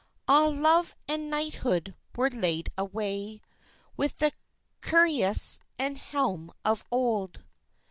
Ah, love and knighthood were laid away With the cuirass and helm of old.